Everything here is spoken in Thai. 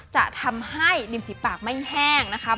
จะทำให้ริมฝีปากไม่แห้งนะคะ